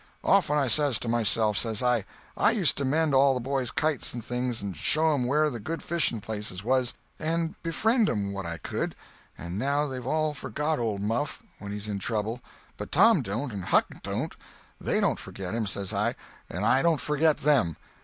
Often I says to myself, says I, 'I used to mend all the boys' kites and things, and show 'em where the good fishin' places was, and befriend 'em what I could, and now they've all forgot old Muff when he's in trouble; but Tom don't, and Huck don't—they don't forget him, says I, 'and I don't forget them.